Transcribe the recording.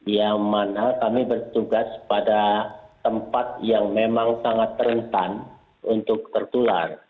yang mana kami bertugas pada tempat yang memang sangat rentan untuk tertular